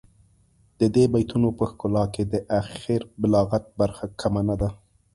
د دې بیتونو په ښکلا کې د اخر بلاغت برخه کمه نه ده.